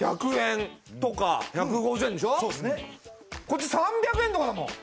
こっち３００円とかだもん。